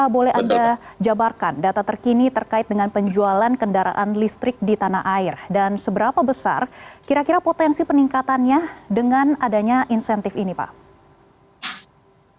boleh anda jabarkan data terkini terkait dengan penjualan kendaraan listrik di tanah air dan seberapa besar kira kira potensi peningkatannya dengan adanya insentif ini pak